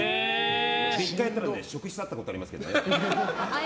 １回やったら職質にあったことありますけどね。